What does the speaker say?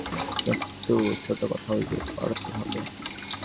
কিন্তু ছোটো কথাও যে পাড়তে হবে।